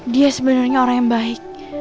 dia sebenarnya orang yang baik